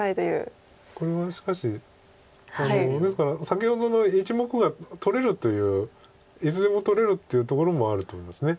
これはしかしですから先ほどの１目が取れるといういつでも取れるというところもあると思います。